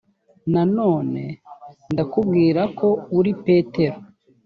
nanone ndakubwira ko uri petero